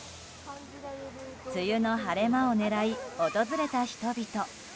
梅雨の晴れ間を狙い訪れた人々。